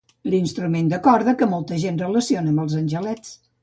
L'instrument de corda que molta gent relaciona amb els angelets.